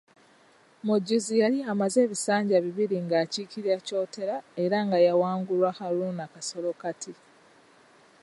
Mujuzi yali amaze ebisanja bibiri ng'akiikirira Kyotera era nga yawangulwa Haruna Kasolo kati.